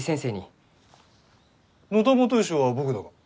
野田基善は僕だが。